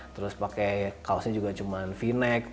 terus pakai kaosnya juga cuma v neck terus ya dan pasnya itu harusnya pas